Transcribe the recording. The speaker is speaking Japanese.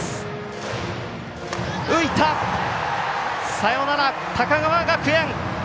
サヨナラ、高川学園！